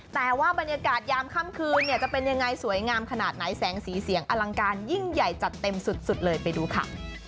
แต่ว่าบรรยากาศยามค่ำคืนเนี่ยจะเป็นยังไงสวยงามขนาดไหนแสงสีเสียงอลังการยิ่งใหญ่จัดเต็มสุดเลยไปดูค่ะ